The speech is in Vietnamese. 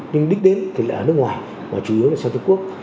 nhưng đích đến thì lại ở nước ngoài mà chủ yếu là sang trung quốc